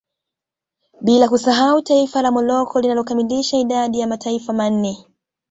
Bila kulisahau taifa la Morocco linalo kamilisha idadi ya mataifa manne